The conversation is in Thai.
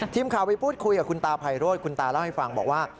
ทีมข่าวไปพูดคุยกับคุณตาไพโรธคุณตาเล่าให้ฟังบอกว่า